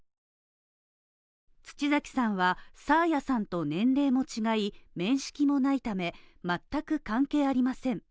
土崎さんは爽彩さんと年齢も違い面識もないため、全く関係ありません。